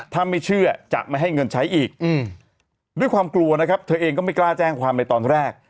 ถ้าไม่เชื่อจะไม่ให้เงินใช้อีกด้วยความกลัวนะครับเธอเองก็ไม่กล้าแจ้งความในตอนแรก